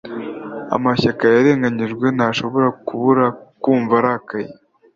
amashyaka yarenganijwe ntashobora kubura kumva arakaye